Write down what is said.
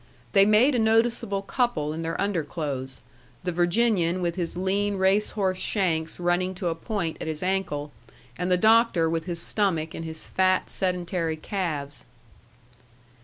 They made a noticeable couple in their underclothes: the Virginian with his lean racehorse shanks running to a point at his ankle, and the Doctor with his stomach and his fat sedentary calves.